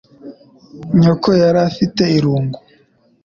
Nyoko yari afite irungu?